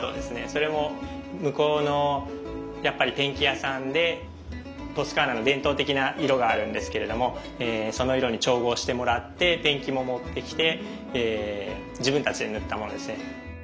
それも向こうのやっぱりペンキ屋さんでトスカーナの伝統的な色があるんですけれどもその色に調合してもらってペンキも持ってきて自分たちで塗ったものですね。